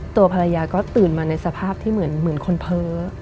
ตัวภรรยาก็ตื่นมาในสภาพที่เหมือนคนเพ้อ